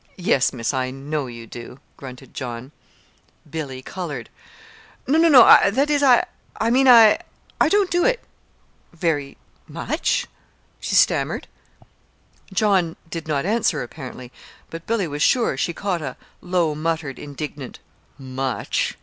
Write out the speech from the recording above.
"Yes, Miss; I know you do," grunted John. Billy colored. "No, no that is, I mean I don't do it very much," she stammered. John did not answer apparently; but Billy was sure she caught a low muttered, indignant "much!"